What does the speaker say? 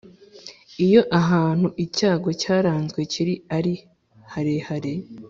Iyo ahantu icyago cyaranzwe kiri ari harehare